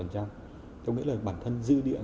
trong nghĩa là bản thân dư địa